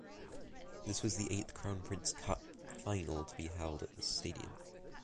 This was the eighth Crown Prince Cup final to be held at the stadium.